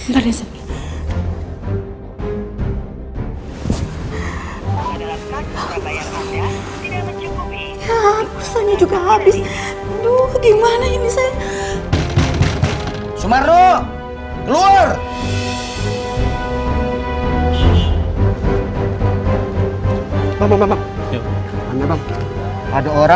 terus ada ngejakin apa